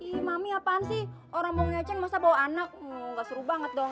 ih mami apaan sih orang bau ngecen masa bawa anak gak seru banget dong